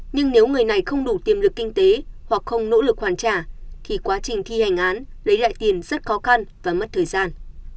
nhưng nếu người này không đủ tiềm lực kinh tế hoặc không nỗ lực hoàn trả thì quá trình thi hành án lấy lại tiền rất khó khăn và mất thời gian